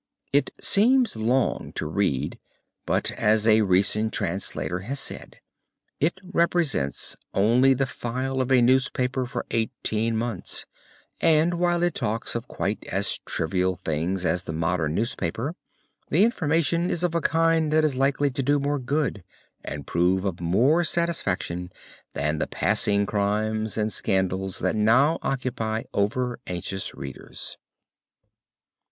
It seems long to read but as a recent translator has said, it represents only the file of a newspaper for eighteen months, and while it talks of quite as trivial things as the modern newspaper, the information is of a kind that is likely to do more good, and prove of more satisfaction, than the passing crimes and scandals that now occupy over anxious readers.